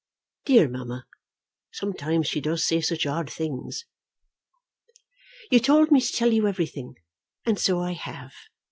Dear mamma; sometimes she does say such odd things. You told me to tell you everything, and so I have.